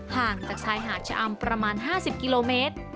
ห่างจากชายหาดชะอำประมาณ๕๐กิโลเมตร